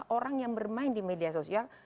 orang yang bermain di media sosial